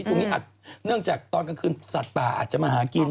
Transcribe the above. ตรงนี้อาจเนื่องจากตอนกลางคืนสัตว์ป่าอาจจะมาหากิน